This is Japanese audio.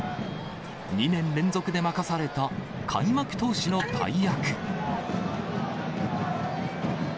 ２年連続で任された、開幕投手の大役。